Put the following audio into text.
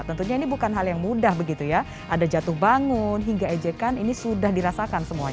tentunya ini bukan hal yang mudah begitu ya ada jatuh bangun hingga ejekan ini sudah dirasakan semuanya